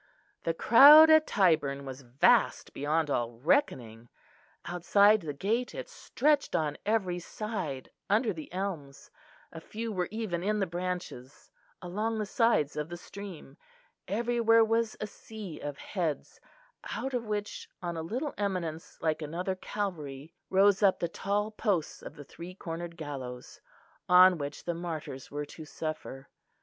The crowd at Tyburn was vast beyond all reckoning. Outside the gate it stretched on every side, under the elms, a few were even in the branches, along the sides of the stream; everywhere was a sea of heads, out of which, on a little eminence like another Calvary, rose up the tall posts of the three cornered gallows, on which the martyrs were to suffer.